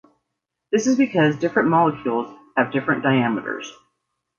This is because different molecules have different diameters.